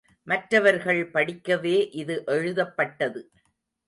மற்றவர்கள் படிக்கவே இது எழுதப்பட்டது.